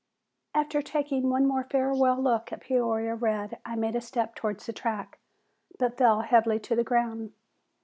After taking one more farewell look at Peoria Red I made a step towards the track, but fell heavily to the ground.